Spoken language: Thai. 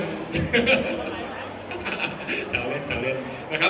เสียงปลดมือจังกัน